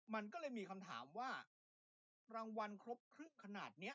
มันก็เลยมีคำถามว่าถูกรางวัลครบครึกขนาดนี้